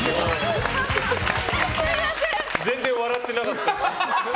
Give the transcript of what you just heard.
全然、笑ってなかった。